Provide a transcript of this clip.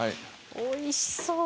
おいしそう！